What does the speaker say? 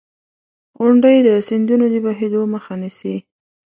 • غونډۍ د سیندونو د بهېدو مخه نیسي.